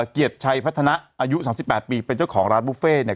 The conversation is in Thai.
เกียรติชัยพัฒนาอายุ๓๘ปีเป็นเจ้าของร้านบุฟเฟ่เนี่ย